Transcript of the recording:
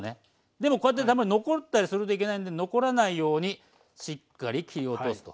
でもこうやって残ったりするといけないんで残らないようにしっかり切り落とすと。